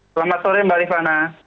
selamat sore mbak rifana